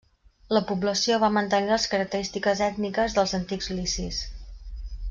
La població va mantenir les característiques ètniques dels antics licis.